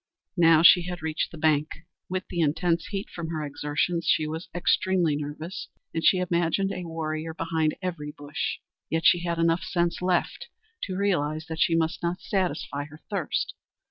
Now she had reached the bank. With the intense heat from her exertions, she was extremely nervous, and she imagined a warrior behind every bush. Yet she had enough sense left to realize that she must not satisfy her thirst.